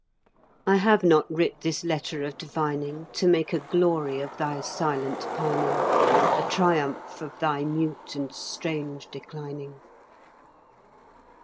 I have not writ this letter of divining To make a glory of thy silent pining, A triumph of thy mute and strange declining.